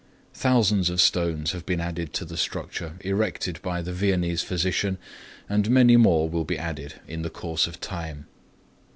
Thousands of stones have been added to the structure erected by the Viennese physician and many more will be added in the course of time.